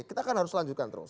kita kan harus lanjutkan terus